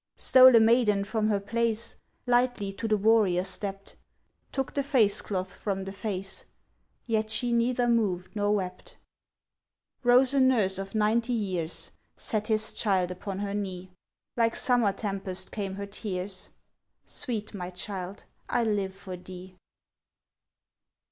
Stole a maiden from her place, Lightly to the warrior stept, Took the face cloth from the face; Yet she neither moved nor wept. Rose a nurse of ninety years, Set his child upon her knee, Like summer tempest came her tears, "Sweet my child, I live for thee."